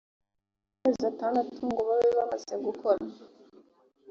amezi atandatu ngo babe bamaze gukora